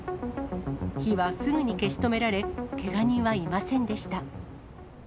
火はすぐに消し止められ、けが人はいませんでした。